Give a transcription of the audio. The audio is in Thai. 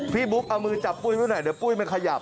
บุ๊กเอามือจับปุ้ยไว้หน่อยเดี๋ยวปุ้ยมันขยับ